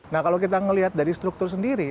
nah kalau kita melihat dari struktur sendiri